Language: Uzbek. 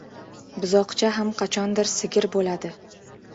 • Buzoqcha ham qachondir sigir bo‘ladi.